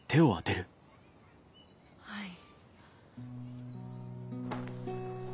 はい。